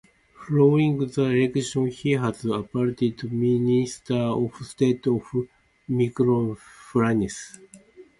Following the elections, he was appointed Minister of State for Microfinance.